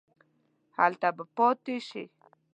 هلته به پاتې شې.